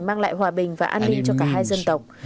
mang lại hòa bình và an ninh cho cả hai dân tộc